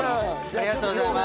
ありがとうございます。